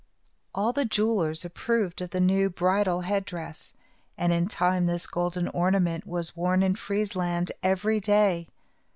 All the jewelers approved of the new bridal head dress, and in time this golden ornament was worn in Friesland every day.